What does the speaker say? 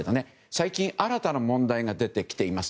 最近、新たな問題が出てきています。